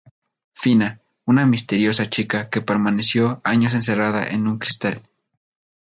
Fina: Una misteriosa chica que permaneció años encerrada en un cristal.